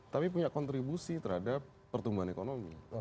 tapi punya kontribusi terhadap pertumbuhan ekonomi